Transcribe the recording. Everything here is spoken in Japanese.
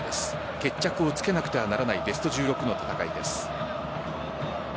決着をつけなくてはならないベスト１６の戦いです。